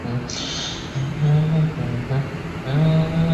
固始汗的哥哥。